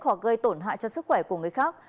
hoặc gây tổn hại cho sức khỏe của người khác